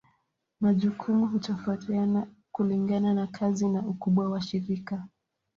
Majukumu hutofautiana kulingana na kazi na ukubwa wa shirika.